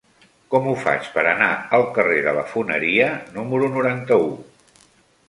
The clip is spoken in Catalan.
Com ho faig per anar al carrer de la Foneria número noranta-u?